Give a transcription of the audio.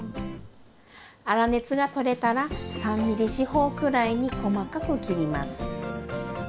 粗熱が取れたら３ミリ四方くらいに細かく切ります。